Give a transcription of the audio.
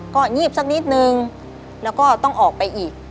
ก็งีบสักนิดนึงแล้วก็ต้องออกไปอีก